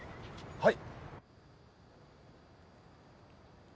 はい。